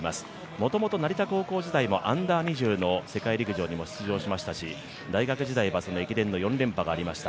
もともと成田高校時代もＵ−２０の世界陸上に出場しましたし、大学時代は駅伝の４連覇がありました。